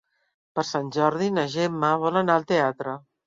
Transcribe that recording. Per Sant Jordi na Gemma vol anar al teatre.